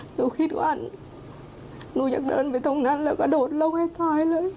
หนูคิดว่าหนูอยากเดินไปตรงนั้นแล้วก็โดดลงให้ตายเลย